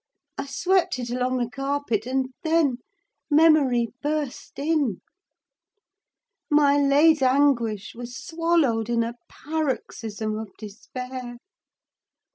I swept it along the carpet, and then memory burst in: my late anguish was swallowed in a paroxysm of despair.